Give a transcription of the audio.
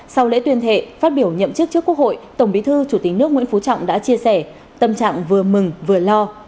sau lễ tuyên thệ phát biểu nhậm chức trước quốc hội tổng bí thư chủ tịch nước nguyễn phú trọng đã chia sẻ tâm trạng vừa mừng vừa lo